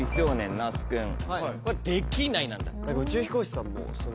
那須君は「できない」なんだ。